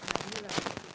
này như là